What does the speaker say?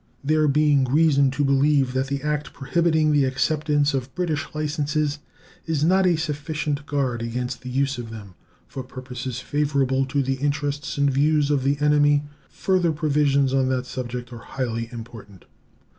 There being reason to believe that the act prohibiting the acceptance of British licenses is not a sufficient guard against the use of them, for purposes favorable to the interests and views of the enemy, further provisions on that subject are highly important.